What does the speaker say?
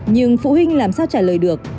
nhưng phụ huynh làm sao trả lời được